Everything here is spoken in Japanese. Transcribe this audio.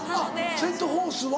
セント・フォースは。